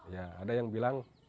ya ada yang bilang